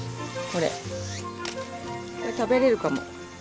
これ食べれるかも。